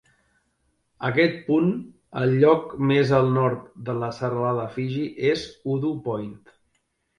Aquest punt, el lloc més al nord de la serralada Fiji, és Udu Point.